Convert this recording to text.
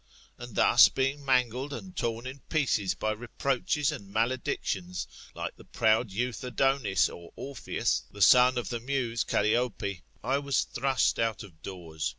And thus, being mangled and torn in pieces by reproaches and maledictions, like the proud youth Adonis, or Orpheus, the son of the muse Calliope, I was thrust out of doors.